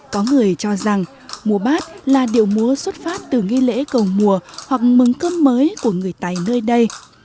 có người cho rằng múa bát là điệu múa xuất phát từ nghi lễ cầu mùa hoặc mừng cơm mới của người tài nơi đây